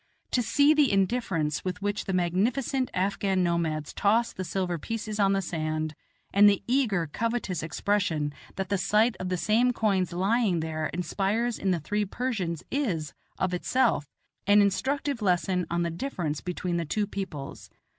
To see the indifference with which the magnificent Afghan nomads toss the silver pieces on the sand, and the eager, covetous expression that the sight of the same coins lying there inspires in the three Persians is, of itself, an instructive lesson on the difference between the two peoples.